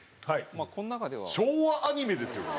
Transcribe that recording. まあこの中では。昭和アニメですよね。